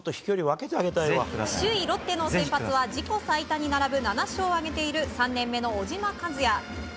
首位ロッテの先発は自己最多に並ぶ７勝を挙げている３年目の小島和哉。